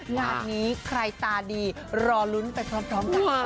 งานนี้ใครตาดีรอลุ้นไปพร้อมกัน